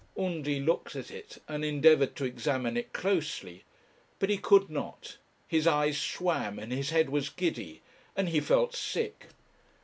Undy looked at it, and endeavoured to examine it closely, but he could not; his eyes swam, and his head was giddy, and he felt sick.